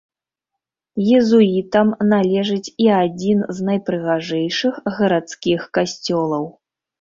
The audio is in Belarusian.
Езуітам належыць і адзін з найпрыгажэйшых гарадскіх касцёлаў.